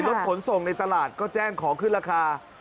รถขนส่งในตลาดก็แจ้งขอขึ้นราคา